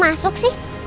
perasaan aku kok gak enak